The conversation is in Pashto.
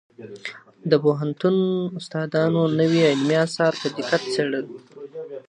د پوهنتون استادانو نوي علمي اثار په دقت څېړل.